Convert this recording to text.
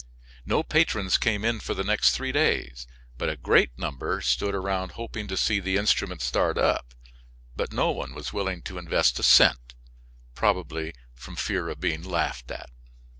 No patrons came in for the next three days, but a great number stood around hoping to see the instrument start up, but no one was willing to invest a cent probably from fear of being laughed at.